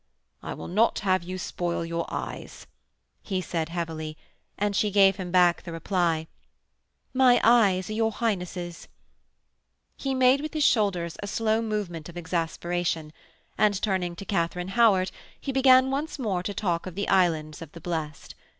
'I will not have you spoil your eyes,' he said heavily, and she gave him back the reply: 'My eyes are your Highness'.' He made with his shoulders a slow movement of exasperation, and, turning to Katharine Howard, he began once more to talk of the Islands of the Blest.